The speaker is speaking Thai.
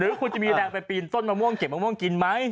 คุณจะมีแรงไปปีนต้นมะม่วงเก็บมะม่วงกินไหม